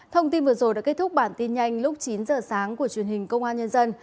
thông tin vừa rồi đã kết thúc bản tin nhanh lúc chín giờ sáng của truyền hình công an nhân dân